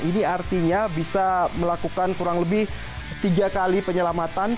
ini artinya bisa melakukan kurang lebih tiga kali penyelamatan